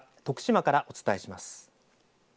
徳島からお伝えします。